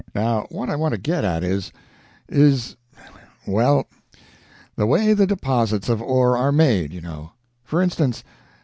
Now what I want to get at is is, well, the way the deposits of ore are made, you know. For instance.